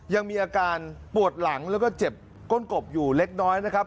ยังมีอาการปวดหลังแล้วก็เจ็บก้นกบอยู่เล็กน้อยนะครับ